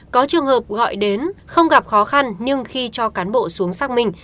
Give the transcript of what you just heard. có trường hợp gọi đến không gặp khó khăn nhưng khi cho cán bộ xuống xác minh